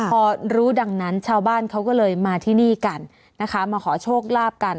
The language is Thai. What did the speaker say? พอรู้ดังนั้นชาวบ้านเขาก็เลยมาที่นี่กันนะคะมาขอโชคลาภกัน